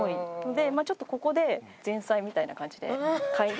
でちょっとここで前菜みたいな感じで嗅いで。